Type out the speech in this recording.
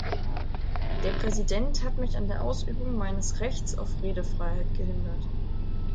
Der Präsident hat mich an der Ausübung meines Rechts auf Redefreiheit gehindert.